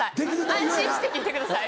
安心して聞いてください。